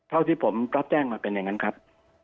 เท่าที่ผมรับแจ้งมาเป็นอย่างนั้นครับ